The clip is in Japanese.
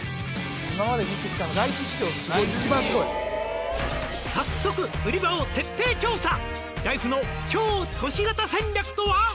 今まで見てきた「早速売り場を徹底調査」「ライフの超都市型戦略とは？」